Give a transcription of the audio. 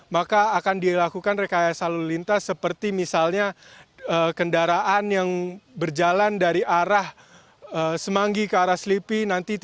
maka akan dilakukan rekayasa lalu lintas seperti misalnya kendaraan yang berjalan dari arah semanggi ke arah selipi